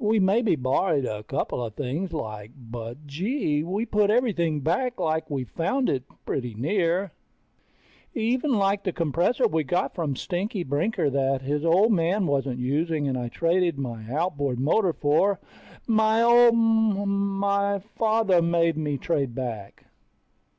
We maybe borrowed a couple of things, like. But, gee, we put everything back like we found it, pretty near. Even like the compressor we got from Stinky Brinker that his old man wasn't using and I traded my outboard motor for, my old m ... my father made me trade back.